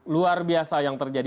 luar biasa yang terjadi